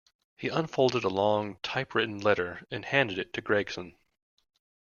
He unfolded a long typewritten letter, and handed it to Gregson.